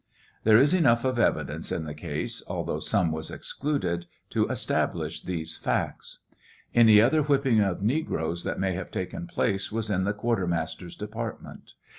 There is enough of evidence in the case, although some wa excluded, to establish these facts. Any other whipping of negroes that mai have taken place was in the quartermaster's department.